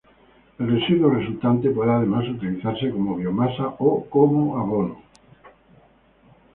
El residuo resultante puede además utilizarse como biomasa o como abono.